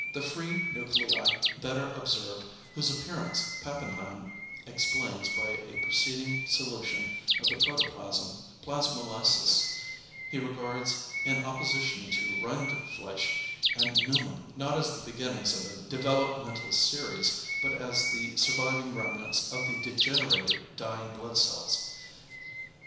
The free nuclei that are observed, whose appearance Pappenheim explains by a preceding solution of the protoplasm (plasmolysis), he regards, in opposition to Rindfleisch and Neumann, not as the beginnings of a developmental series, but as the surviving remnants of the degenerated dying blood cells.